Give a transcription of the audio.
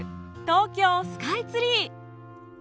東京スカイツリー。